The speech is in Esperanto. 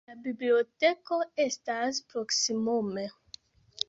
La biblioteko estas proksimume.